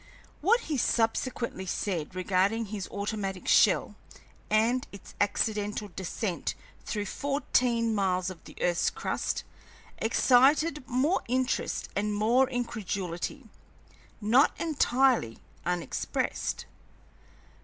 What he subsequently said regarding his automatic shell and its accidental descent through fourteen miles of the earth's crust, excited more interest and more incredulity, not entirely unexpressed.